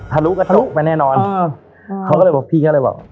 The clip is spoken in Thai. ลุก็ทะลุไปแน่นอนอ่าเขาก็เลยบอกพี่ก็เลยบอก